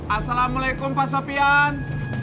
assalamualaikum pak sofian